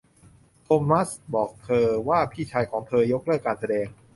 โทมัสบอกเธอว่าพี่ชายของเธอยกเลิกการแสดง